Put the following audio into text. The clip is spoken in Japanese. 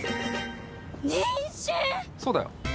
そうだよ。